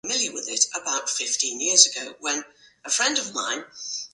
Marc and Kia quickly become attracted to each other.